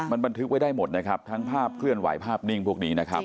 มันบันทึกไว้ได้หมดนะครับทั้งภาพเคลื่อนไหวภาพนิ่งพวกนี้นะครับ